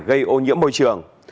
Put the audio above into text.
gây ô nhiễm môi trường